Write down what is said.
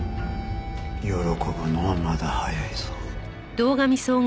喜ぶのはまだ早いぞ。